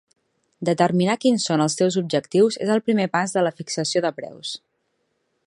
Determinar quins són els teus objectius és el primer pas de la fixació de preus.